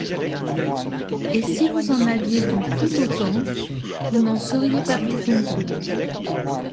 Et si vous en aviez vu tout autant vous n’en seriez pas plus content.